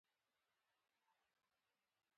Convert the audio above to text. کندهاريان شينګياه خوښوي